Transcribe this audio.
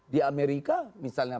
di amerika misalnya